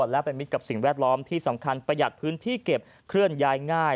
และเป็นมิตรกับสิ่งแวดล้อมที่สำคัญประหยัดพื้นที่เก็บเคลื่อนย้ายง่าย